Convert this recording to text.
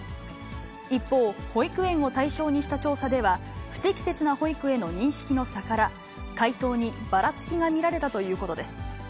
一方、保育園を対象にした調査では、不適切な保育への認識の差から回答にばらつきが見られたということです。